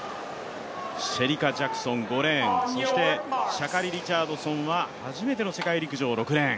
シェリカ・ジャクソン５レーン、そしてシャカリ・リチャードソンは初めての世界陸上、６レーン。